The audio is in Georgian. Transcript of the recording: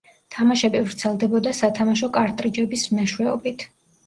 თამაშები ვრცელდებოდა სათამაშო კარტრიჯების მეშვეობით.